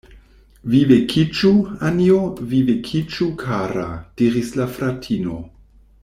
"Vi vekiĝu, Anjo, vi vekiĝu, kara," diris la fratino.